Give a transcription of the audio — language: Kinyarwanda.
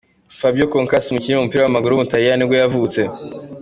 Nyuma yaho bashatse kumwica arashwe nabo yahunze.